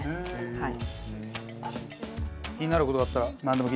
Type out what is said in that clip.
はい。